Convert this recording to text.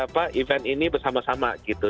event ini bersama sama gitu